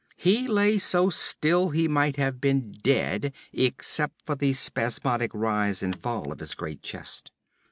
He lay so still he might have been dead, except for the spasmodic rise and fall of his great chest.